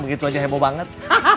begitu aja heboh banget